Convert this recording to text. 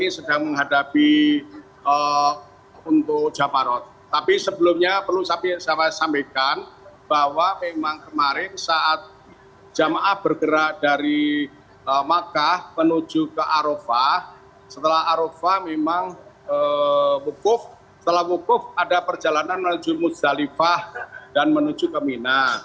setelah arofa memang wukuf setelah wukuf ada perjalanan menuju muzdalifah dan menuju ke mina